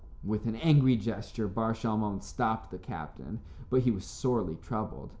With an angry gesture Bar Shalmon stopped the captain, but he was sorely troubled.